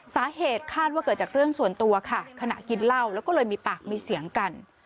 สาเหตุคาดว่าเกิดจากเรื่องส่วนตัวค่ะขณะกินเหล้าแล้วก็เลยมีปากมีเสียงกัน